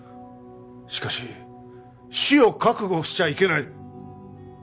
しかし死を覚悟しちゃいけない。